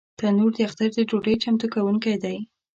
تنور د اختر د ډوډۍ چمتو کوونکی دی